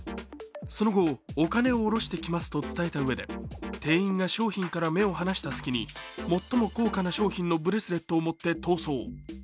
その後、お金をおろしてきますと伝えたうえで、店員が商品から目を離した隙に最も高価な商品のブレスレットを持って逃走。